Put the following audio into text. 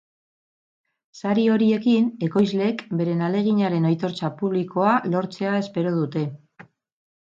Sari horiekin ekoizleek beren ahaleginaren aitortza publikoa lortzea espero dute.